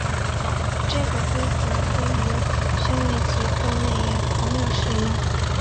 这个规则对于勋位及赠位也同样适用。